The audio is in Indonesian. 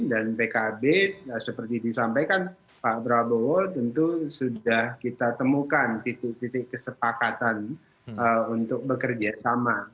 dan pkb seperti disampaikan pak prabowo tentu sudah kita temukan titik titik kesepakatan untuk bekerja sama